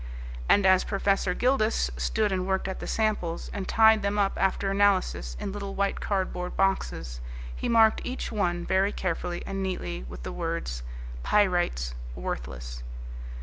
And as Professor Gildas stood and worked at the samples and tied them up after analysis in little white cardboard boxes, he marked each one very carefully and neatly with the words, PYRITES: WORTHLESS.